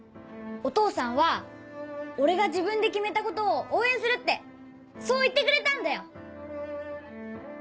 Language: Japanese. お父さんは俺が自分で決めたことを応援するってそう言ってくれたんだよ！